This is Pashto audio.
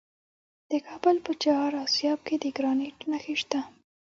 د کابل په چهار اسیاب کې د ګرانیټ نښې شته.